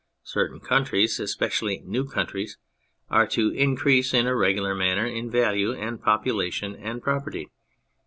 Certain countries (especially new countries) are to increase in a regular manner in value and population and property.